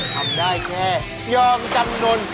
ทำได้แค่ยอมจำนวน